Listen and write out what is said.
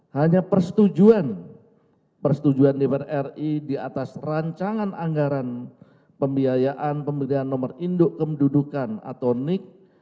hanya persetujuan dpr ri di atas rancangan anggaran pembiayaan pembelian nomor induk kemdudukan atau nik